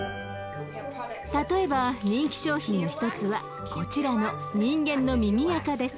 例えば人気商品の一つはこちらの人間の耳あかです。